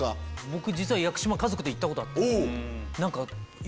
僕実は屋久島家族で行ったことあって。